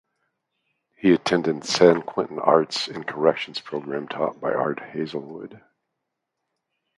He attended San Quentin Arts in Corrections Program taught by Art Hazelwood.